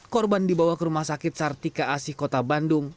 korban dibawa ke rumah sakit sartika asih kota bandung